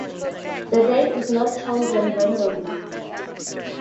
The date is not chosen randomly.